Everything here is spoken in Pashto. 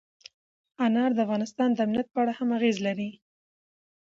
انار د افغانستان د امنیت په اړه هم اغېز لري.